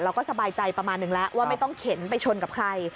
สบายใจประมาณนึงแล้วว่าไม่ต้องเข็นไปชนกับใคร